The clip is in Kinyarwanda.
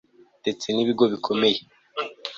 ndetse n'ibigo bikomeye